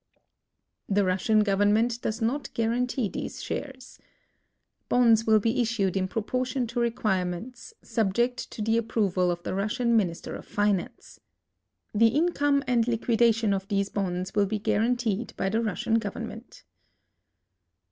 The Russian government <loes not guar antee these shares. Bonds will be issued in proportion to require ments, subject to the api)roval of the Russian Minister of Finance. The income and liquidation of these bonds will l)e guaranteed by the Russian government.